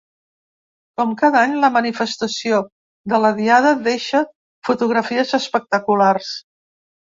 Com cada any, la manifestació de la Diada deixa fotografies espectaculars.